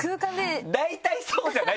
大体そうじゃない？